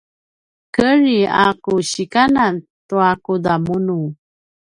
kedri a ku sikanan tua kudamunu